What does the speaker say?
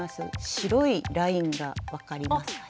白いラインが分かりますかね？